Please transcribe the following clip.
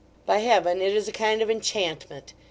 By Heaven it is a kind of enchantment!